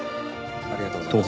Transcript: ありがとうございます。